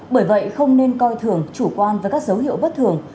bởi vậy không nên coi thường chủ quan với các dấu hiệu bất thường